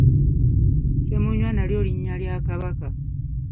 Ssemunywa nalyo linnya lya Kabaka.